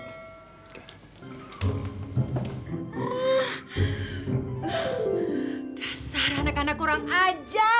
dasar anak anak kurang aja